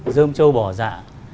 dơm châu bò dạ